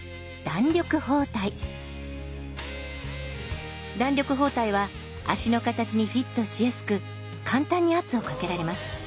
弾力包帯は足の形にフィットしやすく簡単に圧をかけられます。